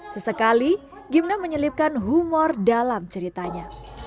sesekali gimna menyelipkan humor dalam ceritanya